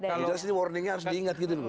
kita sih warningnya harus diingat gitu loh